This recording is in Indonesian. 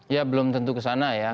ya belum tentu ke sana ya